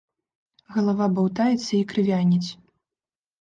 Галава баўтаецца і крывяніць.